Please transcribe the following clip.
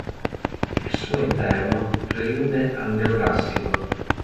Il suo interno prelude al neoclassico.